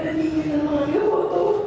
dan diikuti dengan angka foto